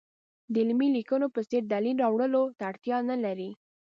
د علمي لیکنو په څېر دلیل راوړلو ته اړتیا نه لري.